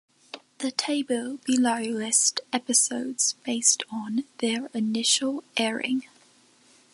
The table below lists episodes based on their initial airing.